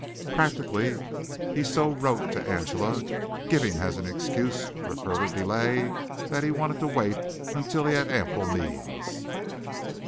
Practically he so wrote to Angela, giving as an excuse for further delay that he wanted to wait until he had ample means.